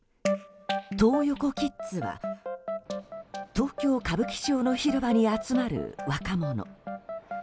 トー横キッズは東京・歌舞伎町の広場に集まる若者。